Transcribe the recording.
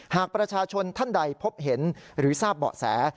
หากประชาชนท่านใดพบเห็นหรือทราบเบาะแส